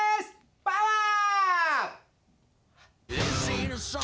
パワー！